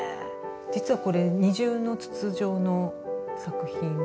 実はこれ二重の筒状の作品で。